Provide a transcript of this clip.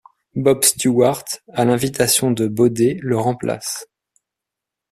Bhob Stewart, à l'invitation de Bodé le remplace.